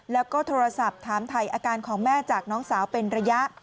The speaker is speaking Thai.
แล้วก็โทรศัพท์ถามถ่ายอาการของแม่จากน้องสาวเป็นระยะ